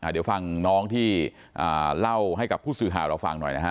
เดี๋ยวฟังน้องที่เล่าให้กับผู้สื่อข่าวเราฟังหน่อยนะฮะ